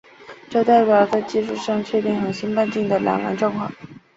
这代表了在技术上确定恒星半径的两难状况。